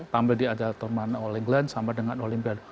tampil di atas turnan all england sama dengan olympiade